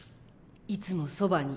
「いつもそばに」。